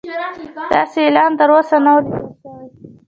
داسې اعلان تر اوسه نه و لیدل شوی.